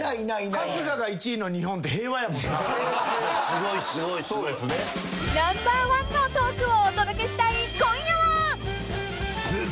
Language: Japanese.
［ナンバーワンのトークをお届けしたい今夜は］